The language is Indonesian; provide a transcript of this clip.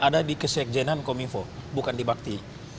tadi kesekjenan cominfo bukan di bakti